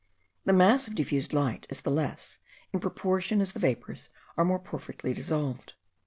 The mass of diffused light is the less, in proportion as the vapours are more perfectly dissolved.